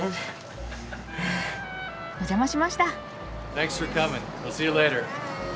お邪魔しました。